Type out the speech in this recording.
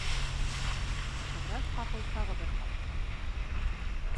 Ҡыҙырас ҡапыл тағы бер ҡат: